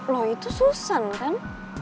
lo itu susan kan